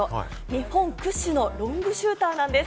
日本屈指のロングシューターなんです。